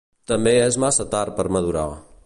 També és massa tard per madurar.